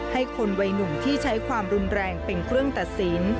ให้คนวัยหนุ่มที่ใช้ความรุนแรงเป็นเครื่องตัดสิน